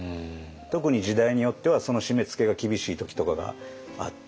特に時代によってはその締めつけが厳しい時とかがあって。